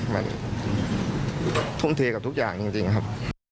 มันทุ่มเทกับทุกอย่างจริงครับ